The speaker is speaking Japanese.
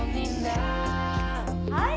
はい！